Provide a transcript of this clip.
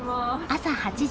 朝８時。